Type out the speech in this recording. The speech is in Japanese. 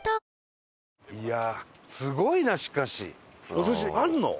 お寿司あるの？